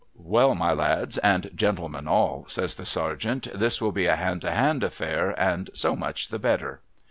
' Well, my lads, and gentlemen all,' says the Sergeant, ' this will be a hand to hand affair, and so much the better.'